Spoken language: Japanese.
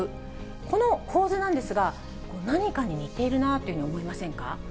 この構図なんですが、何かに似ているなって思いませんか？